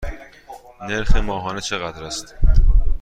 نرخ ماهانه چقدر است؟